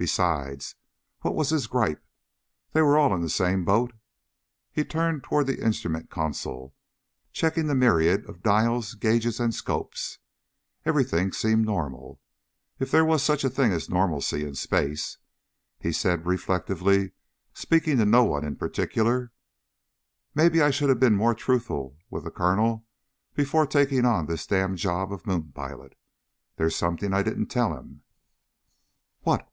Besides, what was his gripe? They were all in the same boat. He turned to the instrument console, checking the myriad of dials, gauges and scopes. Everything seemed normal, if there was such a thing as normalcy in space. He said reflectively, speaking to no one in particular: "Maybe I should have been more truthful with the Colonel before taking on this damned job of moon pilot. There's something I didn't tell him." "What?"